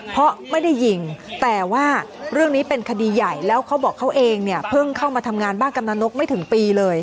เพราะไม่ได้ยิงแต่ว่าเรื่องนี้เป็นคดีใหญ่แล้วเขาบอกเขาเองเนี่ยเพิ่งเข้ามาทำงานบ้านกำนันนกไม่ถึงปีเลย